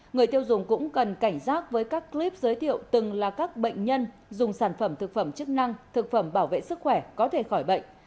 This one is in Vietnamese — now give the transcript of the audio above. người tiêu dùng cũng cần cảnh giác với các clip giới thiệu từng là các bệnh nhân dùng sản phẩm thực phẩm chức năng thực phẩm bảo vệ sức khỏe có thể khỏi bệnh